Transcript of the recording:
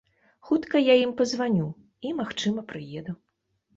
Хутка я ім пазваню і, магчыма, прыеду.